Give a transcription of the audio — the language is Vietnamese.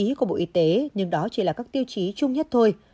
các tiêu chí của bộ y tế nhưng đó chỉ là các tiêu chí chung nhất thôi